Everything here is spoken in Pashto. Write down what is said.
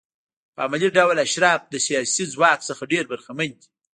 په عملي ډول اشراف له سیاسي ځواک څخه ډېر برخمن دي.